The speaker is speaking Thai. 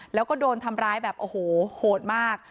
แล้วก็โดนทำร้ายแบบโอ้โหโหดมาก